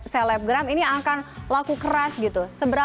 selebgram ini akan laku keras gitu